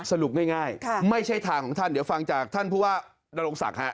สรุปง่ายไม่ใช่ทางของท่านเดี๋ยวฟังจากท่านผู้ว่านรงศักดิ์ฮะ